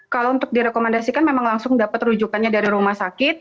kalau untuk direkomendasikan memang langsung dapat rujukannya dari rumah sakit